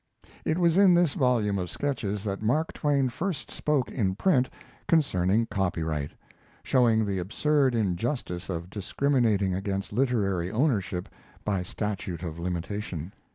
It was in this volume of sketches that Mark Twain first spoke in print concerning copyright, showing the absurd injustice of discriminating against literary ownership by statute of limitation.